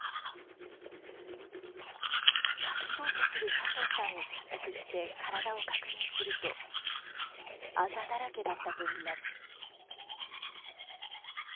隠そうとする佐藤さんを説得して体を確認するとあざだらけだったといいます。